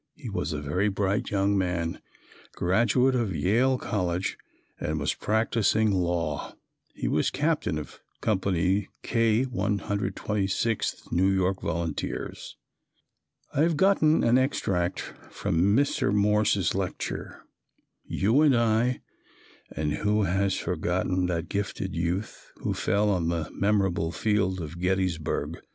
He was a very bright young man, graduate of Yale college and was practising law. He was captain of Company K, 126th N. Y. Volunteers. I have copied an extract from Mr. Morse's lecture, "You and I": "And who has forgotten that gifted youth, who fell on the memorable field of Gettysburg?